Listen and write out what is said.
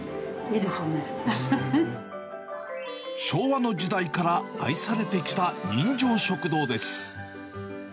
昭和の時代から愛されてきた人情食堂です。